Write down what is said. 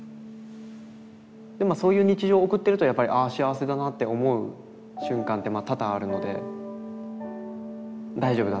そういう日常を送ってるとやっぱりあ幸せだなって思う瞬間って多々あるので大丈夫だ。